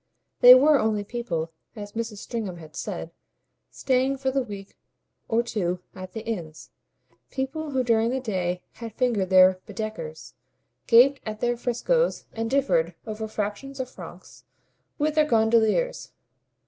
They were only people, as Mrs. Stringham had said, staying for the week or two at the inns, people who during the day had fingered their Baedekers, gaped at their frescoes and differed, over fractions of francs, with their gondoliers.